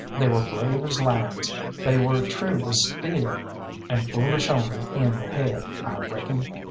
They were brave as lions, they were true as steel, and foolish only in the head, I reckon.